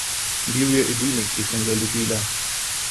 Bil je edini, ki sem ga ljubila.